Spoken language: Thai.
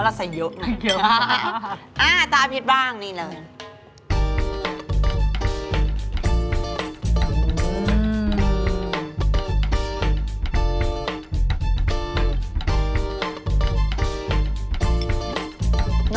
เพราะเราใส่เยอะอ่าตาผิดบ้างนี่เลย